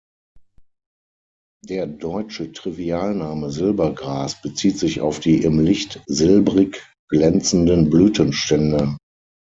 Der deutsche Trivialname Silbergras bezieht sich auf die im Licht silbrig glänzenden Blütenstände.